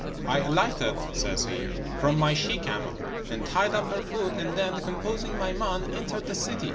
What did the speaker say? "I alighted," says he, "from my she camel, and tied up her foot; and then, composing my mind, entered the city.